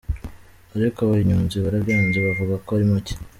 Ariko abanyonzi barabyanze bavuga ko ari make.